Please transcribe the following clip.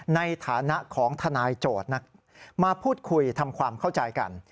ในฐานะของทนายโจทย์มาพูดคุยทำความเข้าใจกัน